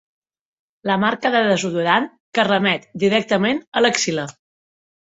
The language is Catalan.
La marca de desodorant que remet directament a l'axil·la.